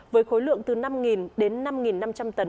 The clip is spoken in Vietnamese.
với khối lượng từ năm đến năm năm trăm linh tấn